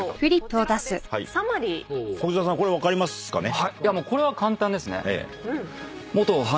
柿澤さんこれ分かりますかね。